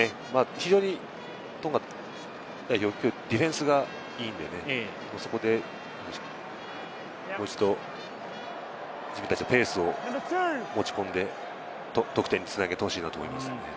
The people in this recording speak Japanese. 非常にトンガ代表、きょうディフェンスがいいので、そこでもう一度、自分たちのペースを持ち込んで得点に繋げてほしいなと思いますね。